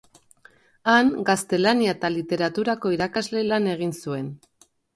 Han, Gaztelania eta Literaturako irakasle lan egin zuen.